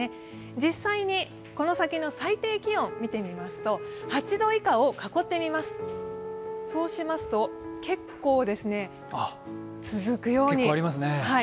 実際にこの先の最低気温見てみますと、８度以下を囲ってみますと、結構続きます。